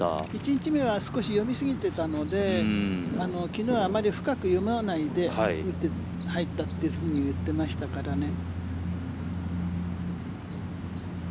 １日目は少し読みすぎていたので昨日はあまり深く読まないで打って入ったとそういうふうに言っていましたからね。